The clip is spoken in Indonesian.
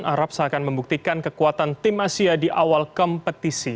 arab seakan membuktikan kekuatan tim asia di awal kompetisi